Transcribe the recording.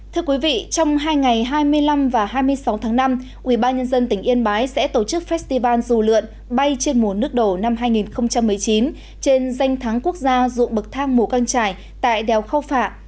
thưa quý vị trong hai ngày hai mươi năm và hai mươi sáu tháng năm ubnd tỉnh yên bái sẽ tổ chức festival dù lượn bay trên mùa nước đổ năm hai nghìn một mươi chín trên danh thắng quốc gia dụng bậc thang mù căng trải tại đèo khao phạ